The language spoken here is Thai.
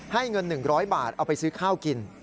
เงิน๑๐๐บาทเอาไปซื้อข้าวกิน